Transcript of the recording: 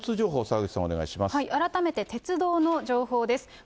改めて、鉄道の情報です。